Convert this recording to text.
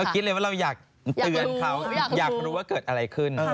ตัดสินใจไปเลยค่ะอยากรู้อยากรู้อยากรู้อยากรู้ว่าเกิดอะไรขึ้น